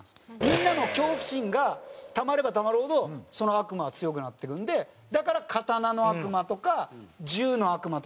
みんなの恐怖心がたまればたまるほどその悪魔は強くなっていくんでだから刀の悪魔とか銃の悪魔とか強いんですよ。